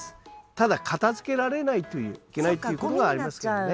ただ片づけられないといけないということがありますけどね。